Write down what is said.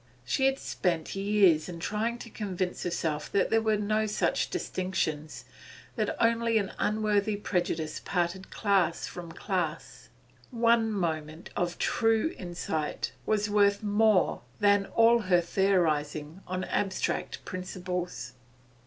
She had spent years in trying to convince herself that there were no such distinctions, that only an unworthy prejudice parted class from class. One moment of true insight was worth more than all her theorising on abstract principles.